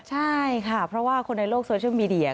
ใช่ค่ะเพราะว่าคนในโลกโซเชียลมีเดีย